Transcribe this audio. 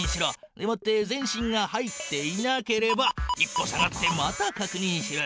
でもって全身が入っていなければ１歩下がってまたかくにんしろ。